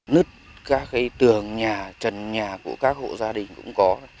nứt các tường nhà trần nhà của các hộ gia đình cũng có